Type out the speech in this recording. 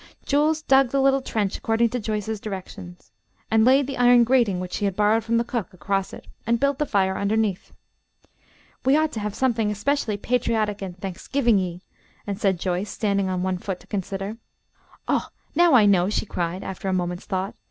Jules dug the little trench according to Joyce's directions, and laid the iron grating which she had borrowed from the cook across it, and built the fire underneath. "We ought to have something especially patriotic and Thanksgivingey," said Joyce, standing on one foot to consider. "Oh, now I know," she cried, after a moment's thought.